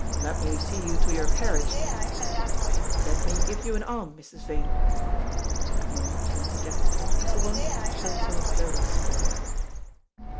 "Let me see you to your carriage," he said. "Let me give you an arm, Mrs. Vane." Maud turned to Jack, and for once showed some of Dodo's spirit.